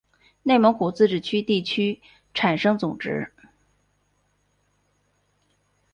内蒙古自治区地区生产总值